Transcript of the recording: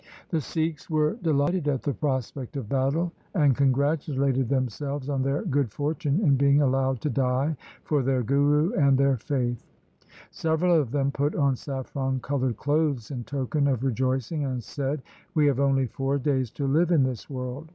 The Sikhs were delighted at the prospect of battle, and congratu lated themselves on their good fortune in being allowed to die for their Guru and their faith. Several of them put on saffron coloured clothes in token of rejoicing, and said, ' We have only four days to live in this world.